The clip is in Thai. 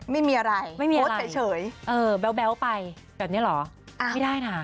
ไม่มีอะไรไม่มีโพสต์เฉยแบ๊วไปแบบนี้เหรอไม่ได้นะ